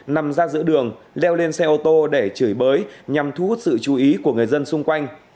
nằm ra giữa đường leo lên xe ô tô để chửi bới nhằm thu hút sự chú ý của người dân xung quanh